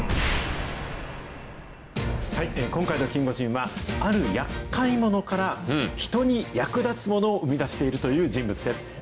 今回のキンゴジンは、あるやっかいものから、人に役立つものを生み出しているという人物です。